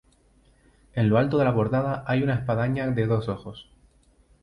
En lo alto de la portada hay una espadaña de dos ojos.